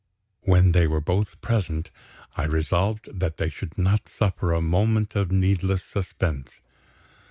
When they were both present, I resolved that they should not suffer a moment of needless suspense.